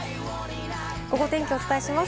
ゴゴ天気をお伝えします。